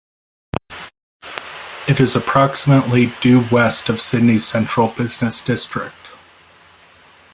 It is approximately due west of Sydney's central business district.